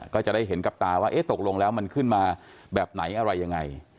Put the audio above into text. ก็จะได้เห็นกับตาว่าเอ๊ะตกลงแล้วมันขึ้นมาแบบไหนอะไรยังไง